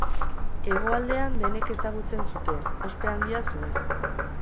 Hegoaldean denek ezagutzen zuten, ospe handia zuen.